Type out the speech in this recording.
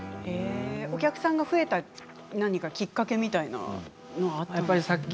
お客さんが増えた何かきっかけみたいなものはあったんですか。